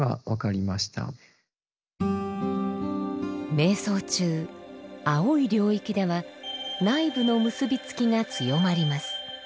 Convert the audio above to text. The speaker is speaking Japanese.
瞑想中青い領域では内部の結び付きが強まります。